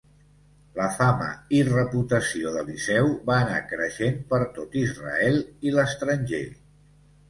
La fama i reputació d'Eliseu va anar creixent per tot Israel i l'estranger.